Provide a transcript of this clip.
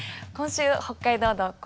今週「北海道道」